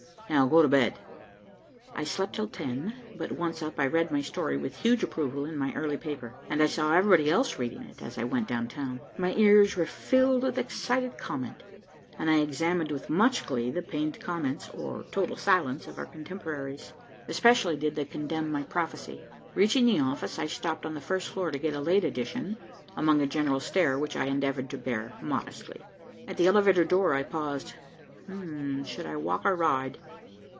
Now go to bed." I slept till ten, but once up, I read my story with huge approval in my early paper, and saw everybody else reading it, as I went down town. My ears were filled with excited comment, and I examined with much glee the pained comments or total silence of our contemporaries. Especially did they condemn my prophecy. Reaching the office, I stopped on the first floor to get a late edition, among a general stare which I endeavored to bear modestly. At the elevator door, I paused. "Should I walk or ride?